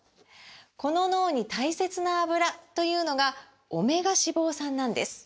この脳に大切なアブラというのがオメガ脂肪酸なんです！